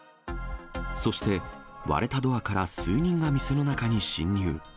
そして、割れたドアから数人が店の中に侵入。